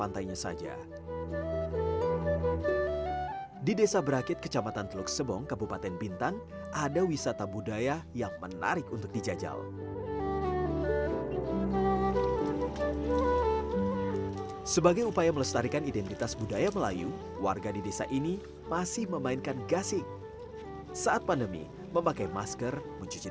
terutama sekali tingkat desa kabupaten sampai provinsi